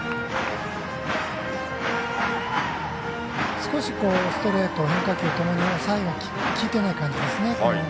少しストレート、変化球ともに抑えがきいていない感じですね。